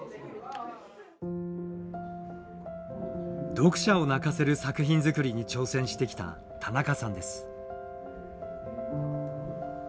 読者を泣かせる作品づくりに挑戦してきた田中さんです。